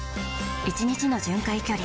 １日の巡回距離